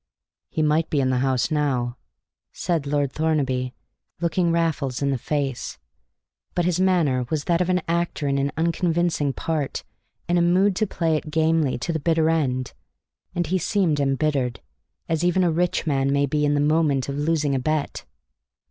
"He might be in the house now," said Lord Thornaby, looking Raffles in the face. But his manner was that of an actor in an unconvincing part and a mood to play it gamely to the bitter end; and he seemed embittered, as even a rich man may be in the moment of losing a bet.